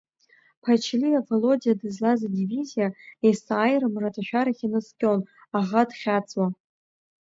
Ԥачлиа Володиа дызлаз адивизиа есааира амраҭашәарахь инаскьон, аӷа дхьацауа.